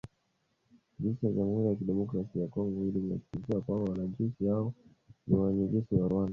Jeshi la jamuhuri ya kidemokrasia ya Kongo hata hivyo linasisitiza kwamba wanajeshi hao wawili ni wanajeshi wa Rwanda na kwamba kamanda wao ni Luteni